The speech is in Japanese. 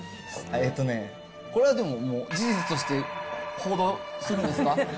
えーとね、これはでも、もう事実として報道するんですか？